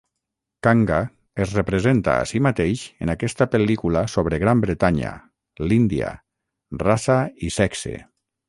Kanga es representa a si mateix en aquesta pel·lícula sobre Gran Bretanya, l'Índia, raça i sexe.